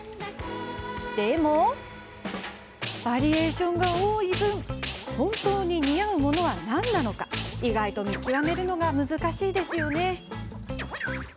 でも、バリエーションが多い分本当に似合うものは何なのか意外と見極めるのが難しいですよね。